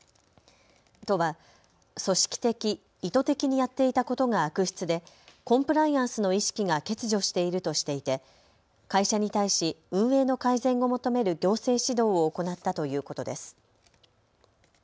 都は組織的、意図的にやっていたことが悪質でコンプライアンスの意識が欠如しているとしていて、会社に対し運営の改善を求める行政指導を行ったということです。